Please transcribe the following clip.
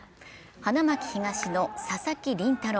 花巻東の佐々木麟太郎。